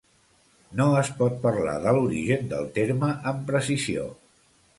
No es pot parlar de l'origen del terme amb precisió.